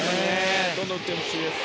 どんどん打ってほしいです。